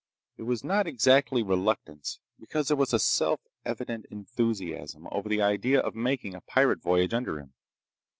It was not exactly reluctance, because there was self evident enthusiasm over the idea of making a pirate voyage under him.